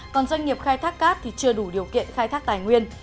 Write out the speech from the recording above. còn doanh nghiệp khai thác cát thì chưa đủ điều kiện khai thác tài nguyên